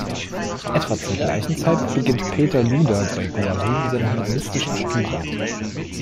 Etwa zur gleichen Zeit beginnt Peter Luder bei Guarino seine humanistischen Studien.